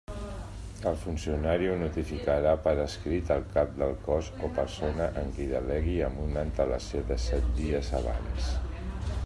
El funcionari ho notificarà per escrit al Cap del Cos o persona en qui delegui amb una antelació de set dies abans.